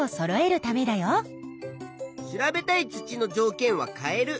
調べたい土のじょうけんは変える。